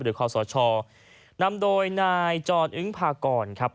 คอสชนำโดยนายจรอึ้งพากรครับ